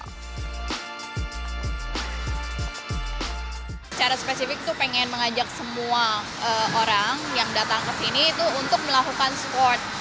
secara spesifik tuh pengen mengajak semua orang yang datang ke sini itu untuk melakukan sport